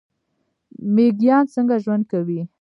میږیان څنګه ژوند کوي؟